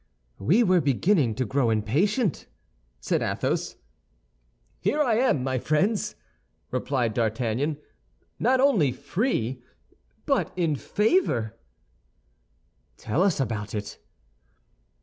"We were beginning to grow impatient," said Athos. "Here I am, my friends," replied D'Artagnan; "not only free, but in favor." "Tell us about it."